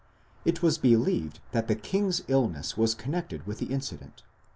It was believed that the king's illness was connected with the incident.